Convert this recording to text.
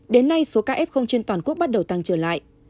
đến nay số ca f trên toàn quốc bắt đầu tăng trở lại